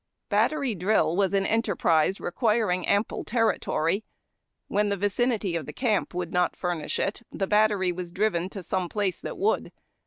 Battery drill was an enterprise requiring ample territory. When the vicinity of the camp would not furnish it, the battery was driven to some place that would.